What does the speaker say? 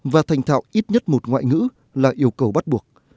và thành thạo ít nhất một ngoại ngữ là yêu cầu bắt buộc